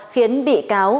khiến bị cáo